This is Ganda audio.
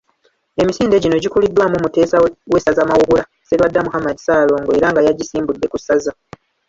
Emisinde gino gikuliddwamu Muteesa w'essaza Mawogola, Sserwadda Muhammed Ssaalongo era nga yagisimbudde ku ssaza.